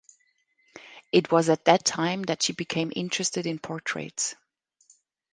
It was at that time that she became interested in portraits.